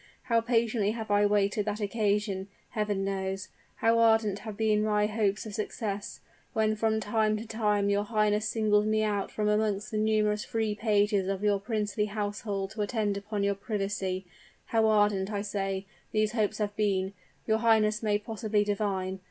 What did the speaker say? How patiently I have waited that occasion, Heaven knows! how ardent have been my hopes of success, when from time to time your highness singled me out from amongst the numerous free pages of your princely household to attend upon your privacy how ardent, I say, these hopes have been, your highness may possibly divine.